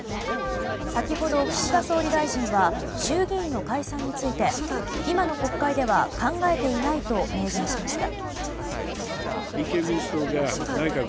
先ほど岸田総理大臣は衆議院の解散について今の国会では考えていないと名言しました。